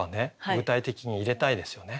具体的に入れたいですよね。